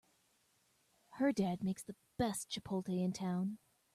Her dad makes the best chipotle in town!